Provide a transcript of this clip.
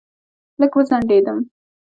لږ وځنډېدم.